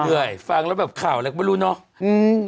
เย้ยยยยยยอยฟังแล้วแบบข่าวอะไรไม่รู้เน้อ